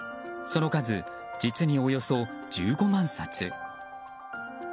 その数、実におよそ１５万冊。